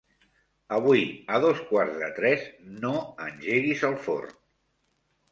Avui a dos quarts de tres no engeguis el forn.